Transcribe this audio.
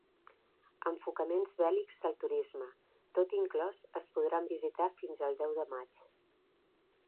Enfocaments bèl·lics del turisme: tot inclòs es podran visitar fins el deu de maig.